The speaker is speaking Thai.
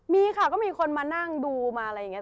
มีค่ะก็มีคนมานั่งดูมาอะไรอย่างนี้